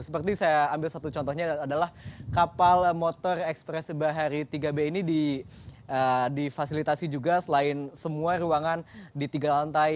seperti saya ambil satu contohnya adalah kapal motor ekspres bahari tiga b ini difasilitasi juga selain semua ruangan di tiga lantai